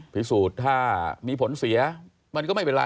พิสูจน์ถ้ามีผลเสียมันก็ไม่เป็นไร